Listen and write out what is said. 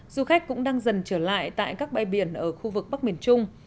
du khách cũng đang dần trở lại tại các bãi biển ở khu vực bắc miền trung